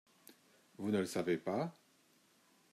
Vous ne le savez pas?